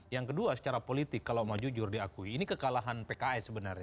yang kedua secara politik kalau mau jujur diakui ini kekalahan pks sebenarnya